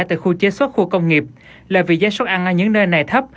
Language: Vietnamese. tại khu chế xuất khu công nghiệp là vì giá suất ăn ở những nơi này thấp